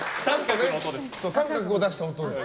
△を出した音です。